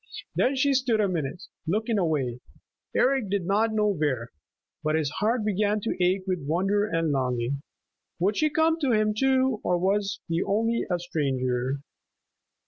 Then she stood a minute, looking away, Eric did not know where. But his heart began to ache with wonder and longing. Would she come to him too or was he only a stranger?